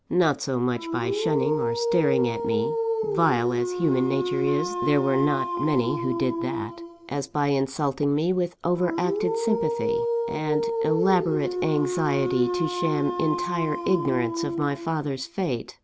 Not so much by shunning or staring at me (vile as human nature is, there were not many who did that), as by insulting me with over acted sympathy, and elaborate anxiety to sham entire ignorance of my father's fate.